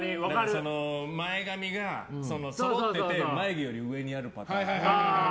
前髪がそろってて眉毛より上にあるパターン。